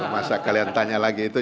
masa kalian tanya lagi itu